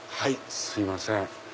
すいません。